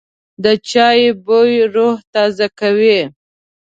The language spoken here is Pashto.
د چای بوی روح تازه کوي.